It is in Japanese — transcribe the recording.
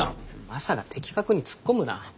マサが的確につっこむな！